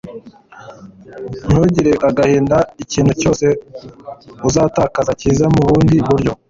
ntugire agahinda ikintu cyose uzatakaza kiza mu bundi buryo